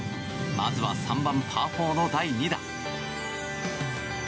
まずは３番、パー４の第２打。